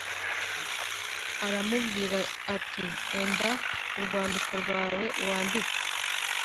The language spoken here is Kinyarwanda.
Aramubwira ati Enda urwandiko rwawe wandike.